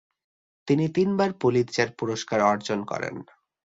তিনি তিনবার পুলিৎজার পুরস্কার অর্জন করেন।